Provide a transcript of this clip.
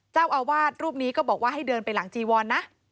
เจ้าอาวาสรูปนี้ก็บอกว่าให้เดินไปหลังจีวรนะ